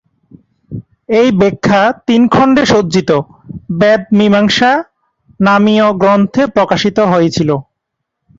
এই ব্যাখ্যা তিন খণ্ডে সজ্জিত "বেদ মীমাংসা" নামীয় গ্রন্থে প্রকাশিত হয়েছিল।